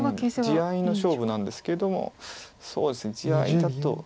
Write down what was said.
地合いの勝負なんですけれどもそうですね地合いだと。